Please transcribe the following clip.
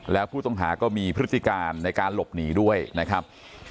แล้วผู้ต้องหาก็มีพฤติการในการหลบหนีด้วยนะครับ